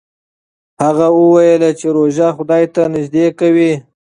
هغه وویل چې روژه خدای ته نژدې کوي.